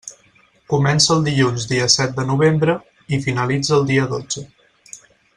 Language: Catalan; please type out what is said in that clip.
Comença el dilluns dia set de novembre i finalitza el dia dotze.